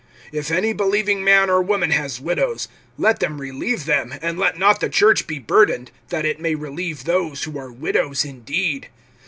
(16)If any believing man or woman has widows, let them relieve them, and let not the church be burdened; that it may relieve those who are widows indeed.